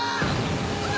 うわ！